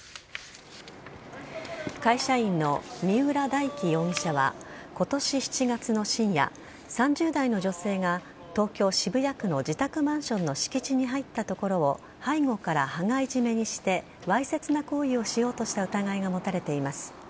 会社員の三浦大輝容疑者は今年７月の深夜、３０代の女性が東京・渋谷区の自宅マンションの敷地に入ったところを背後から羽交い締めにしてわいせつな行為をしようとした疑いが持たれています。